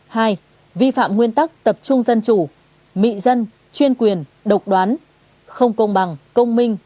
hai vi phạm nguyên tắc tập trung dân chủ mị dân chuyên quyền độc đoán không công bằng công minh